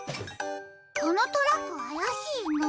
このトラックあやしいな。